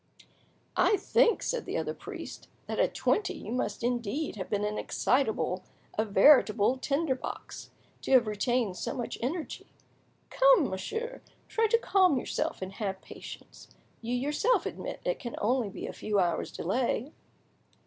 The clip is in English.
"I think;" said the other priest, "that at twenty you must indeed have been excitable, a veritable tinder box, to have retained so much energy! Come, monsieur, try to calm yourself and have patience: you yourself admit it can only be a few hours' delay."